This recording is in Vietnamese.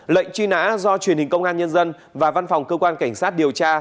lệnh truy nã do truyền hình công an nhân dân và văn phòng cơ quan cảnh sát điều tra